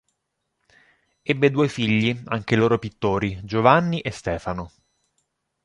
Ebbe due figli, anche loro pittori, Giovanni e Stefano.